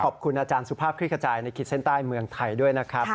ขอบคุณอาจารย์สุภาพคลิกขจายในขีดเส้นใต้เมืองไทยด้วยนะครับ